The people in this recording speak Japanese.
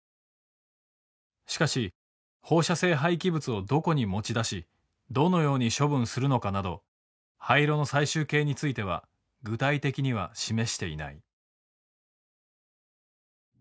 しかし放射性廃棄物をどこに持ち出しどのように処分するのかなど廃炉の最終形については具体的には示していない。